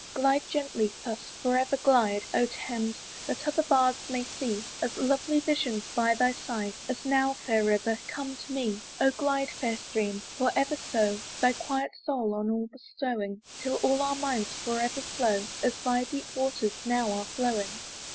Glide gently, thus for ever glide, O Thames! that other bards may see, As lovely visions by thy side As now, fair river! come to me. Oh glide, fair stream! for ever so; Thy quiet soul on all bestowing, 'Till all our minds for ever flow, As thy deep waters now are flowing.